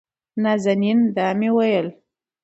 نازنين: دا مې وېل